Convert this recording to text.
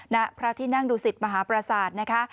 ณพระที่นั่งดูสิทธิ์มหาประสาทนะคะ